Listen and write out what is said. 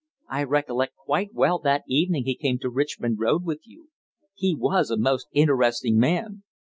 I recollect quite well that evening he came to Richmond Road with you. He was a most interesting man."